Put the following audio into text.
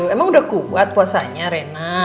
emang udah kuat puasanya rena